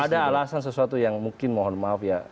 ada alasan sesuatu yang mungkin mohon maaf ya